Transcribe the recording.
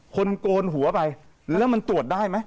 โกนหัวไปแล้วมันตรวจได้ไหม